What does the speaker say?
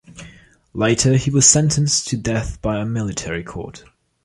Later he was sentenced to death by a military court.